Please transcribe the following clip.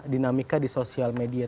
dinamika di sosial media